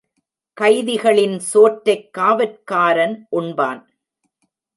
கைதிகளின் சோற்றைக் காவற்காரன் உண்பான்.